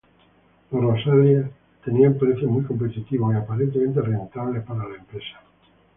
Los Rosalie tenían precios muy competitivos y aparentemente rentables para la empresa.